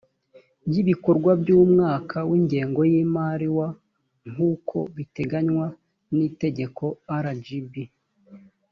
y ibikorwa by umwaka w ingengo y imari wa nk uko biteganywa n itegeko rgb